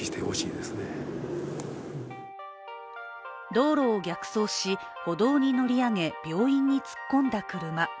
道路を逆走し、歩道に乗り上げ病院に突っ込んだ車。